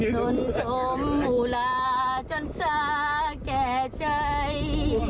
จนสมหูลาจนสร้าแก่ใจ